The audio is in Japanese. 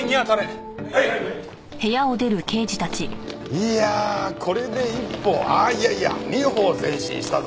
いやこれで一歩いやいや二歩前進したぞ！